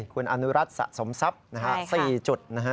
คุณอนุรัติสะสมทรัพย์๔จุดนะฮะ